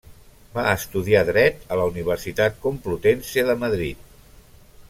Va estudiar dret a la Universitat Complutense de Madrid.